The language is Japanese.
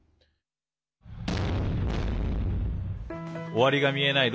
終わりが見えない